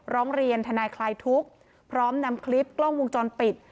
ร้องเรียนทนายคลายทุกข์พร้อมนำคลิปกล้องวงจรปิด